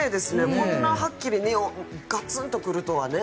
こんなにはっきりネオンがガツンと来るとは。